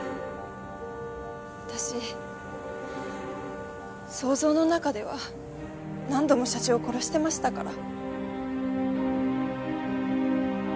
私想像の中では何度も社長を殺してましたから。